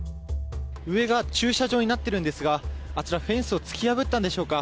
上が駐車場になってるんですがあちら、フェンスを突き破ったんでしょうか。